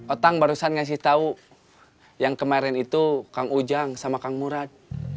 otang barusan ngasih tahu yang kemarin itu kang ujang sama kang murad